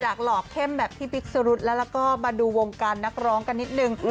หลอกเข้มแบบพี่บิ๊กสรุธแล้วก็มาดูวงการนักร้องกันนิดนึง